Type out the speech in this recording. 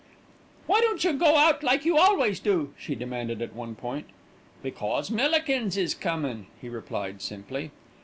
"Why don't you go out like you always do?" she demanded at one point. "Because Millikins is comin'," he replied simply.